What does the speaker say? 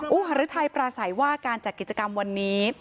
อุหารือไทยปราศัยว่าการจัดกิจกรรมวันนี้